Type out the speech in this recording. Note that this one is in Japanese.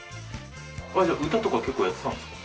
歌とか結構やってたんですか？